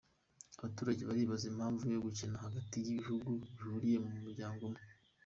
Abaturage baribaza impamvu yo gukena hagati y’ibihugu bihuriye mu muryango umwe.